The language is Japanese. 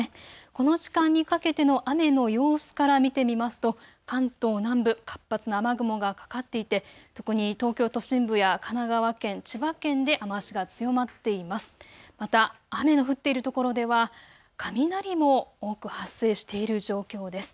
この時間にかけての雨の様子から見てみますと、関東南部活発な雨雲がかかっていて特に東京都心部や神奈川県千葉県で雨足が強まっています。